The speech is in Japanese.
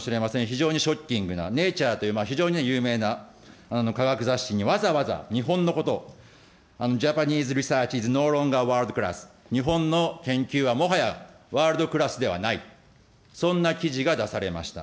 非常にショッキングな、ネイチャーという非常に有名な科学雑誌に、わざわざ日本のこと、ジャパニーズリサーチイズ、日本の研究はもはやワールドクラスではない、そんな記事が出されました。